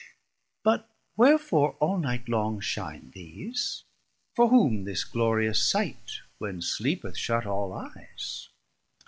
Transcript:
But wherfore all night long shine these, for whom This glorious sight, when sleep hath shut all eyes?